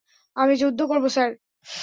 আমি যুদ্ধ করব, স্যার!